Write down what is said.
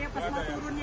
ya tegang sedikit sih